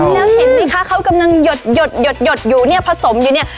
แล้วเห็นมั้ยคะเค้ากำลังหยดอยู่เนี่ยผสมอยู่เนี่ย